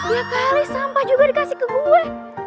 iya kali sampah juga dikasih ke gue